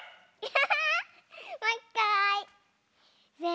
ハハハハ！